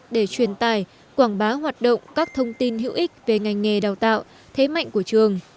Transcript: để truyền tài quảng bá hoạt động các thông tin hữu ích về ngành nghề đào tạo thế mạnh của trường